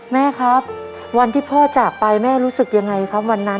แม่ครับวันที่พ่อจากไปแม่รู้สึกยังไงครับวันนั้น